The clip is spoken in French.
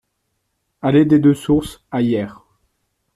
Allée des Deux Sources à Yerres